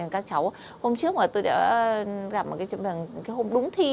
các cháu hôm trước mà tôi đã gặp một cái hôm đúng thi